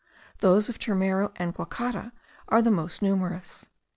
Those of Turmero and Guacara are the most numerous.